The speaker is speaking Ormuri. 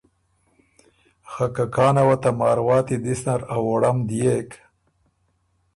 خه که کانه وه ته مارواتی دِس نر ا ووړم دئېک